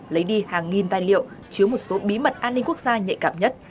lấy đi hàng nghìn tài liệu chứa một số bí mật an ninh quốc gia nhạy cảm nhất